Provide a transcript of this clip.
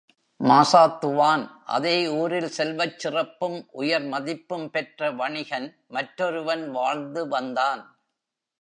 மாசாத்துவான் அதே ஊரில் செல்வச் சிறப்பும், உயர்மதிப்பும் பெற்ற வணிகன் மற்றொருவன் வாழ்ந்து வந்தான்.